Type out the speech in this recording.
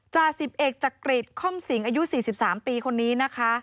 จ่าสิบเอกจักริจค่อมสิงอายุ๔๓ปีคนนี้นะคะ